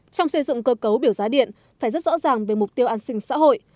trong xây dựng cơ cấu biểu giá điện phải rất rõ ràng về mục tiêu an sinh xã hội